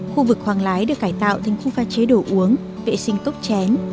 khu vực hoàng lái được cải tạo thành khu pha chế đồ uống vệ sinh cốc chén